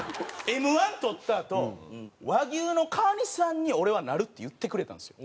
Ｍ−１とったあと「和牛の川西さんに俺はなる」って言ってくれたんですよ。